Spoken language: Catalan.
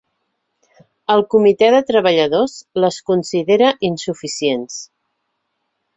El comitè de treballadors les considera insuficients.